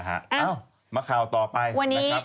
อ้าวมาข่าวต่อไปนะครับวันนี้